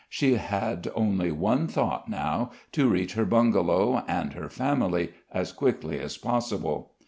She had only one thought now, to reach her bungalow and her family as quickly as possible.